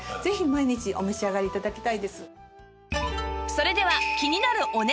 それでは